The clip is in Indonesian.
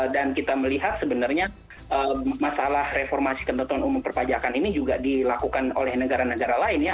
dan kita melihat sebenarnya masalah reformasi ketentuan umum perpajakan ini juga dilakukan oleh negara negara lain ya